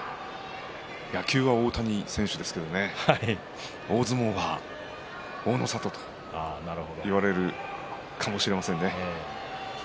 野球は大谷選手ですけどね、大相撲は大の里と言われるかもしれませんね。